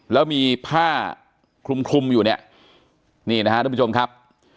แล้วมีผ้าคลุมอยู่เนี่ยนี่นะฮะท่านผู้ชมครับ